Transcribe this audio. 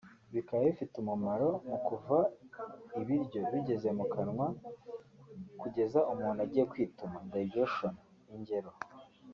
Bikaba bifite umumaro mu kuva ibiryo bigeze mu kanwa kugeza umuntu agiye kwituma (digestion) ingero